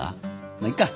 まあいっか！